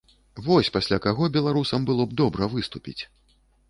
Вось пасля каго беларусам было б добра выступіць.